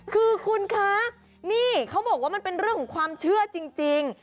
คือคุณคะนี่เขาบอกว่ามันเป็นเรื่องของความเชื่อจริง